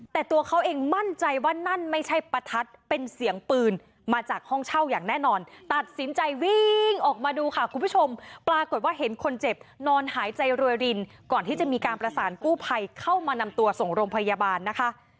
แต่ตัวเขาเองมั่นใจว่านั่นไม่ใช่ประทัดเป็นเสียงปืนมาจากห้องเช่าอย่างแน่นอนตัดสินใจวิ่งออกมาดูค่ะคุณผู้ชมปรากฏว่าเห็นคนเจ็บนอนหายใจรวยรินก่อนที่จะมีการประสานกู้ภัยเข้ามานำตัวส่งโรงพยาบาลนะคะ